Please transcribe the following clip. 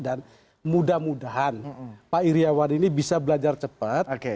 dan mudah mudahan pak iryawan ini bisa belajar cepat